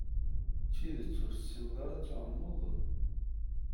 D tidett ur tessineḍ ara ad tɛumeḍ?